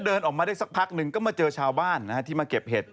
เดินออกมาได้สักพักหนึ่งก็มาเจอชาวบ้านที่มาเก็บเห็ด